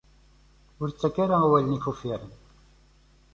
Ur ttak ara awalen-ik uffiren.